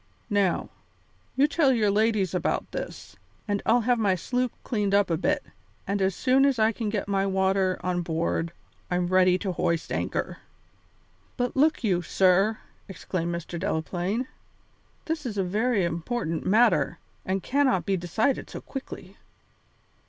Now, you tell your ladies about this, and I'll have my sloop cleaned up a bit, and as soon as I can get my water on board I'm ready to hoist anchor." "But look you, sir," exclaimed Mr. Delaplaine, "this is a very important matter, and cannot be decided so quickly."